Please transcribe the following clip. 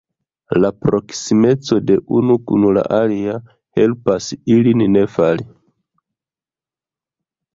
La proksimeco de unu kun la alia helpas ilin ne fali.